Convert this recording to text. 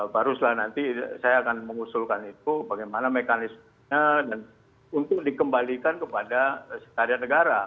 baru setelah nanti saya akan mengusulkan itu bagaimana mekanisme untuk dikembalikan kepada sekalian negara